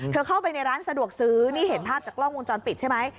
เข้าไปในร้านสะดวกซื้อนี่เห็นภาพจากกล้องวงจรปิดใช่ไหม